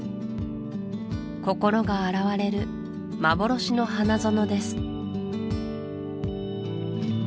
心が洗われる幻の花園です